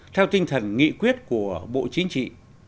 theo tinh thần nghị quyết của bộ chính trị